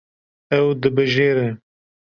Ew dibijêre.